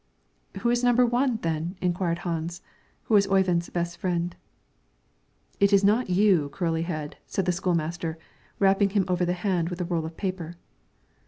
"Who is number one, then?" inquired Hans, who was Oyvind's best friend. "It is not you, curly head!" said the school master, rapping him over the hand with a roll of paper.